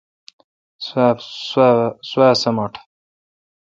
سوا سمٹ